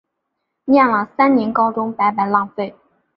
念了三年高中白白浪费